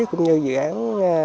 cũng như dự án